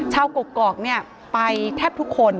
ชาวกรกกรอกไปแทบทุกคน